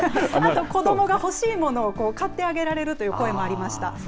子どもが欲しいものを買ってあげられるという声もありました。